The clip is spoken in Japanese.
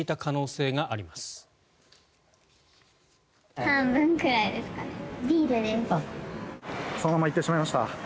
そのまま行ってしまいました。